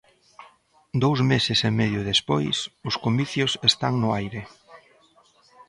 Dous meses e medio despois, os comicios están no aire.